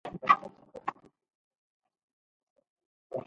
Girardi took the place of Mike Stanley.